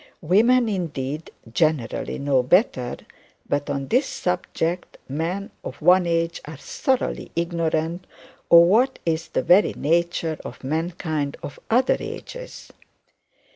Women, indeed, generally know better; but on this subject men of one age are thoroughly ignorant of what is the very nature of mankind of other ages.